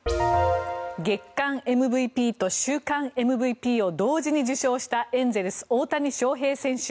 月間ＭＶＰと週間ＭＶＰを同時に受賞したエンゼルス、大谷翔平選手。